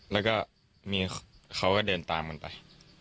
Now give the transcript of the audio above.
แล้วก็เขาก็เดินตามมันไป